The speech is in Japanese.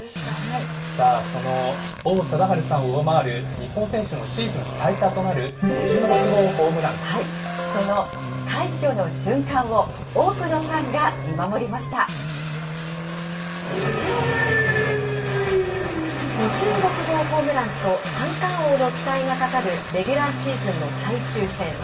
さあ、その王貞治さんを上回る日本選手のシーズン最多となるその快挙の瞬間を、多くのフ５６号ホームランと三冠王の期待がかかるレギュラーシーズンの最終戦。